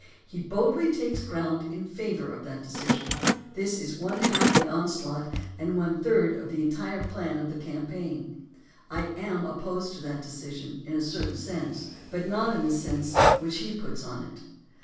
He boldly takes ground in favor of that decision. This is one half the onslaught, and one third of the entire plan of the campaign. I am opposed to that decision in a certain sense, but not in the sense which he puts on it.